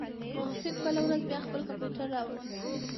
محسن بله ورځ بيا خپل کمپيوټر راوړ.